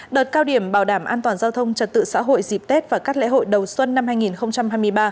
đợt cao điểm bảo đảm an toàn giao thông trật tự xã hội dịp tết và các lễ hội đầu xuân năm hai nghìn hai mươi ba